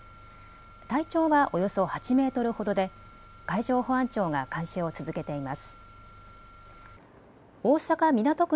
体長はおよそ８メートルほどで海上保安庁が監視を続けています。